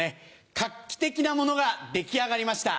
画期的なものが出来上がりました。